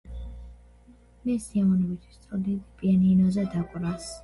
მე სიამოვნებით ვისწავლიდი პიანინოზე დაკვრას.